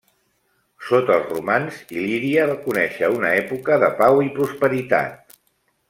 Sota els romans, Il·líria va conèixer una època de pau i prosperitat.